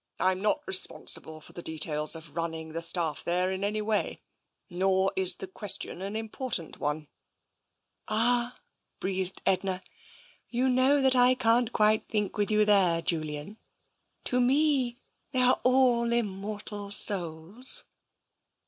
I'm not responsible for the details of running the staff there in any way. Nor is the question an important one." " Ah," breathed Edna, " you know that I can't quite think with you there, Julian. To me, they are all im mortal souls."